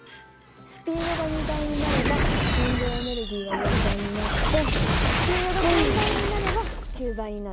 スピードが２倍になれば運動エネルギーは４倍になってスピードが３倍になれば９倍になる。